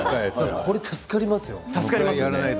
これは助かります。